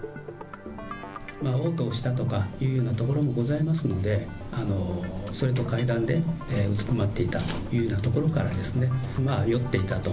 おう吐したとかというようなところもございますので、それと階段でうずくまっていたというようなところから、酔っていたと。